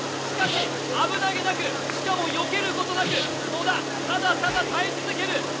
しかし危なげなく、しかもよけることなく、野田、ただただ耐え続ける。